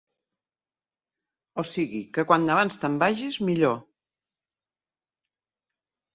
O sigui que quan abans te'n vagis, millor.